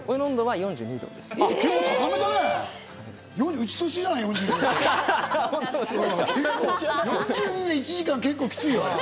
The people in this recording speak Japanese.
４２度で１時間は結構きついよ？